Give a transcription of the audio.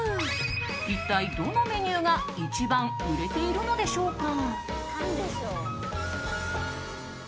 一体どのメニューが一番売れているのでしょうか。